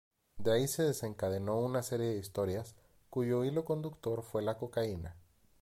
De ahí se desencadenó una serie de historias cuyo hilo conductor fue la cocaína.